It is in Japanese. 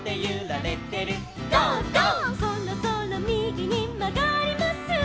「そろそろみぎにまがります」